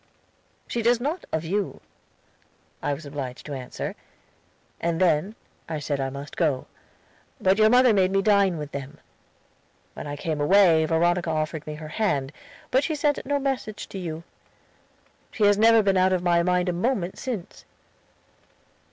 "'She does not of you,' I was obliged to answer. And then I said I must go. But your mother made me dine with them. When I came away Veronica offered me her hand, but she sent no message to you. She has never been out of my mind a moment since."